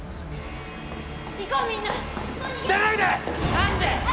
何で？